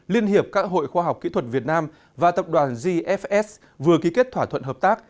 liên hiệp các hội khoa học kỹ thuật việt nam và tập đoàn gfs vừa ký kết thỏa thuận hợp tác